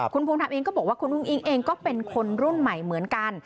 คุณภูมิธรรมเองก็บอกว่าคุณอุ้งอิ๊งเองก็เป็นคนรุ่นใหม่เหมือนกัน